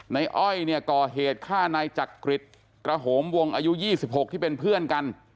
อ้อยเนี่ยก่อเหตุฆ่านายจักริตระโหมวงอายุ๒๖ที่เป็นเพื่อนกัน